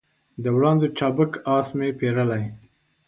د وړانګو چابک آس مې پیرلی